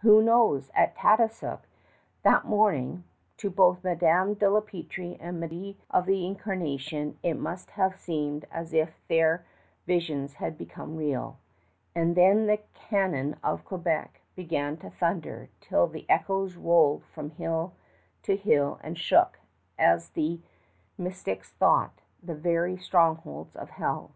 Who knows? At Tadoussac, that morning, to both Madame de la Peltrie and Marie of the Incarnation it must have seemed as if their visions had become real. And then the cannon of Quebec began to thunder till the echoes rolled from hill to hill and shook as the mystics thought the very strongholds of hell.